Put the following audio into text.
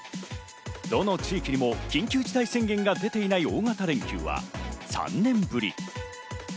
どの地域にも緊急事態宣言が出ていない大型連休は３年ぶり。